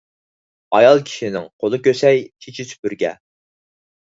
ئايال كىشىنىڭ قولى كۆسەي، چېچى سۈپۈرگە.